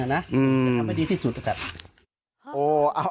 จะทำให้ดีที่สุดนะครับ